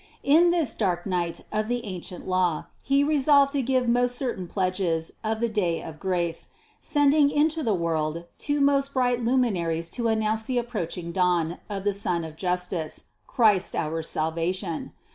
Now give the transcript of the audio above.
In this dark night of the ancient law, He resolved to give most certain pledges of the day of grace, sending into the world two most bright luminaries to announce the approach ing dawn of the sun of Justice, Christ our Salvation.